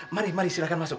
mari mari silahkan masuk